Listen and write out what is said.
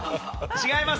違います。